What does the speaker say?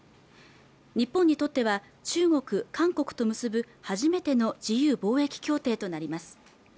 日本にとっては中国韓国と結ぶ初めての自由貿易協定となります